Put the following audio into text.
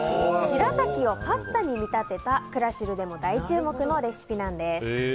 しらたきをパスタに見立てたクラシルでも大注目のレシピなんです。